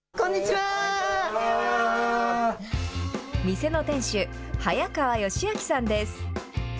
店の店主、早川喜章さんです。